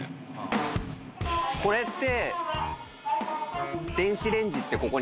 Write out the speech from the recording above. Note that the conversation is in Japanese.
これって。